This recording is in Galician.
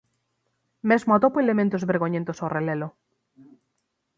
Mesmo atopo elementos vergoñentos ao relelo.